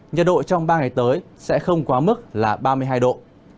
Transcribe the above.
nhiệt độ trong ba ngày tới sẽ không quá mức là ba mươi hai độ